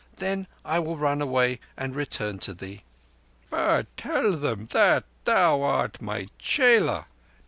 Then I will run away and return to thee." "But tell them that thou art my chela.